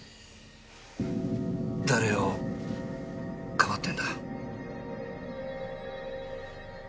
誰を庇ってんだ？